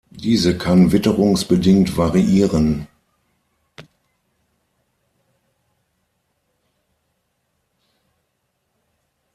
Diese kann witterungsbedingt variieren.